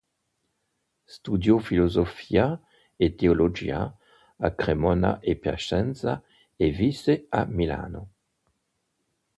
Studiò filosofia e teologia a Cremona e Piacenza e visse a Milano.